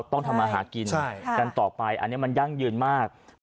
ต้องทำมาหากินกันต่อไปอันนี้มันยั่งยืนมาก